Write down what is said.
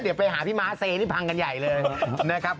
เดี๋ยวไปหาพี่ม้าเซนี่พังกันใหญ่เลยนะครับ